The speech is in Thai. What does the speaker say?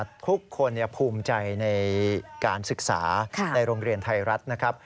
ทุกคนภูมิใจในการศึกษาในโรงเรียนไทยรัฐนะครับ